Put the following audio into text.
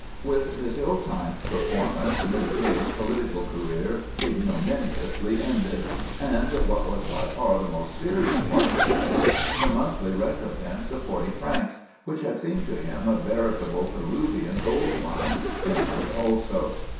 With this ill timed performance, Murger's political career ignominiously ended, and—what was by far the most serious part of the matter—the monthly recompense of forty francs, which had seemed to him a veritable Peruvian gold mine, ended also.